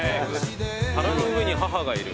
「皿の上に母がいる」